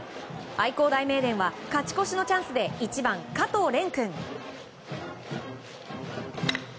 愛工大名電は勝ち越しのチャンスで１番、加藤蓮君。